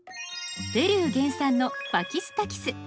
ペルー原産のパキスタキス。